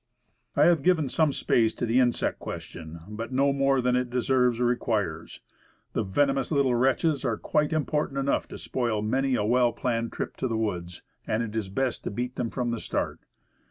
I have given some space to the insect question, but no more than it deserves or requires. The venomous little wretches are quite important enough to spoil many a well planned trip to the woods, and it is best to beat them from the start.